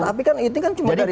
tapi kan itu kan cuma dari